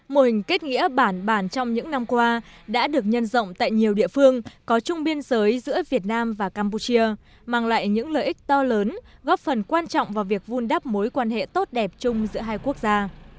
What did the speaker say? mô hình kết nghĩa bản bản trong những năm qua đã được nhân rộng tại nhiều địa phương có chung biên giới giữa việt nam và campuchia mang lại những lợi ích to lớn góp phần quan trọng vào việc vun đắp mối quan hệ tốt đẹp chung giữa hai quốc gia